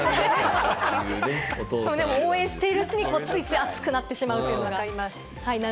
応援してるうちについつい熱くなってしまうということがあります。